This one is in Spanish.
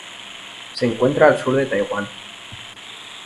Se encuentra al sur de Taiwán.